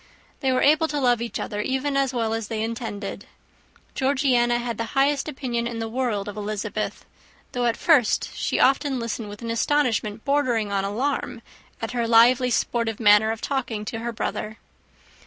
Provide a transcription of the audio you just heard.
They were able to love each other, even as well as they intended. Georgiana had the highest opinion in the world of Elizabeth; though at first she often listened with an astonishment bordering on alarm at her lively, sportive manner of talking to her brother.